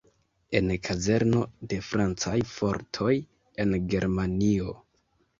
En kazerno de francaj fortoj, en Germanio.